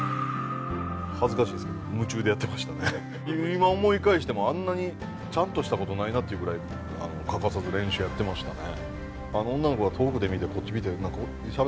今思い返してもあんなにちゃんとしたことないなっていうぐらい欠かさず練習やってましたね。